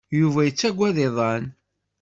Yuba yettaggad iḍan.